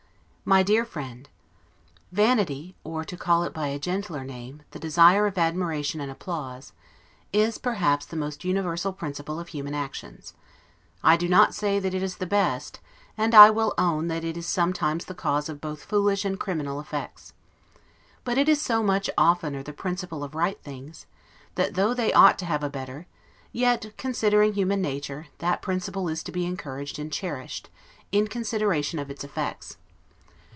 MY DEAR FRIEND: Vanity, or to call it by a gentler name, the desire of admiration and applause, is, perhaps, the most universal principle of human actions; I do not say that it is the best; and I will own that it is sometimes the cause of both foolish and criminal effects. But it is so much oftener the principle of right things, that though they ought to have a better, yet, considering human nature, that principle is to be encouraged and cherished, in consideration of its effects.